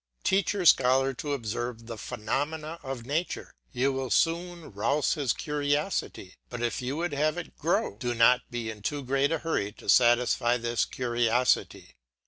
Teach your scholar to observe the phenomena of nature; you will soon rouse his curiosity, but if you would have it grow, do not be in too great a hurry to satisfy this curiosity.